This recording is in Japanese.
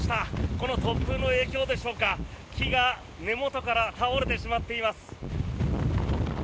この突風の影響でしょうか木が根元から倒れてしまっています。